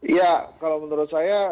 iya kalau menurut saya